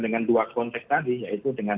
dengan dua konteks tadi yaitu dengan